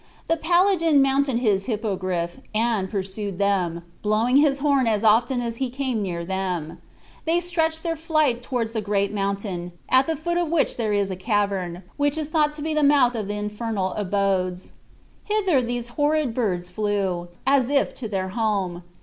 The paladin mounted his Hippogriff, and pursued them, blowing his horn as often as he came near them. They stretched their flight towards the great mountain, at the foot of which there is a cavern, which is thought to be the mouth of the infernal abodes. Hither those horrid birds flew, as if to their home.